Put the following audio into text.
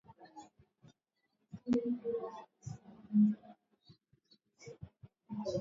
aa labda nianze na wewe profesa mwesiga baregu ukiwa dar es salam tanzania